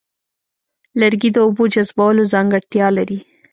لرګي د اوبو جذبولو ځانګړتیا لري.